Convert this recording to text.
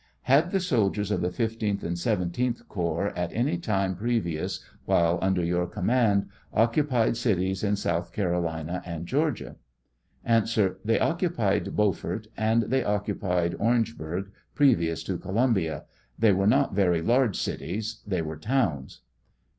Had the soldiers of the 15th and 17th corps, at any time previous while under your command, occupied cities in South Carolina and Georgia? A. They occupied Beaufort, and they occupied Orangeburg previous to Columbia; they were not very large cities ; they were towns.